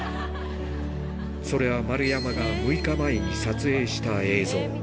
それは丸山が６日前に撮影した映像。